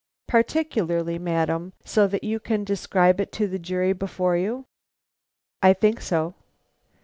"Particularly, madam; so that you can describe it to the jury before you?" "I think so."